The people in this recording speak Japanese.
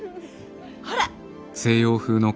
ほら。